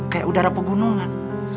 kayak udara pegunungan